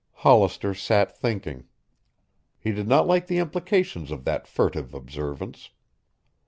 Hollister sat thinking. He did not like the implications of that furtive observance.